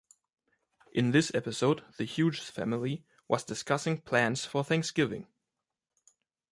In this episode, the Hughes family was discussing plans for Thanksgiving.